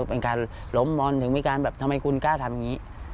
เป็นการล้มบอลถึงมีการแบบทำไมคุณกล้าทำอย่างนี้